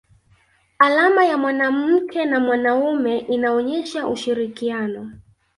alama ya mwanamke na mwanaume inaonesha ushirikiano